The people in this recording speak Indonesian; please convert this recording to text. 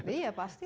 iya pasti lah